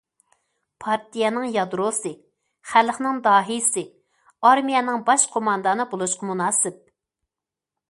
پارتىيەنىڭ يادروسى، خەلقنىڭ داھىيسى، ئارمىيەنىڭ باش قوماندانى بولۇشقا مۇناسىپ.